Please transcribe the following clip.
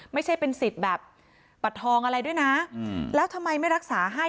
ไม่ใช่เป็นสิทธิ์แบบบัตรทองอะไรด้วยนะแล้วทำไมไม่รักษาให้